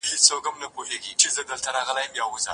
پخې اندېښنې زغم رامنځته کوي